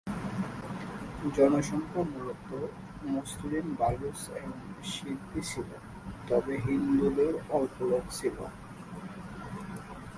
জনসংখ্যা মূলত মুসলিম বালুচ এবং সিন্ধি ছিল তবে হিন্দুদের অল্প লোক ছিল।